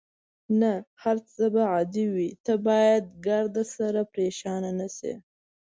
نه، هر څه به عادي وي، ته باید ګردسره پرېشانه نه شې.